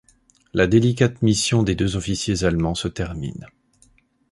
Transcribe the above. La délicate mission des deux officiers allemands se termine.